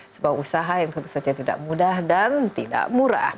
sebuah usaha yang tentu saja tidak mudah dan tidak murah